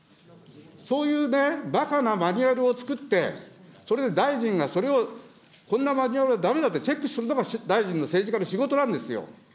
そういうね、ばかなマニュアルをつくって、それで大臣がそれを、そんなマニュアル、だめだってチェックするのが大臣の、政治家の仕事なんですよ。